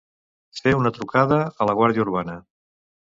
Fer una trucada a la Guàrdia Urbana.